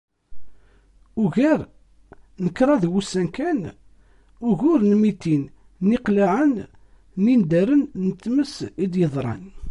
Di kraḍ n wussan kan, ugar n mitin n yiqlaɛen n yindaren n tmes i d-yeḍran.